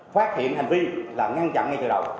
phát hiện hành vi là ngăn chặn ngay từ đầu